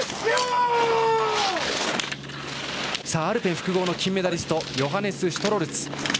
アルペン複合の金メダリストヨハネス・シュトロルツ。